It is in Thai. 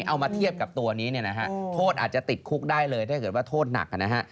เอามาเทียบกับตัวนี้เนี่ยนะฮะโทษอาจจะติดคุกได้เลยถ้าเกิดว่าโทษหนักนะฮะ